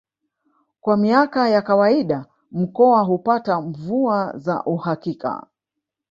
Kwa miaka ya kawaida mkoa hupata mvua za uhakika